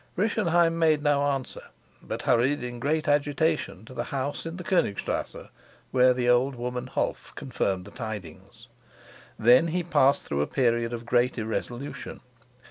Rischenheim made no answer, but hurried in great agitation to the house in the Konigstrasse, where the old woman Holf confirmed the tidings. Then he passed through a period of great irresolution.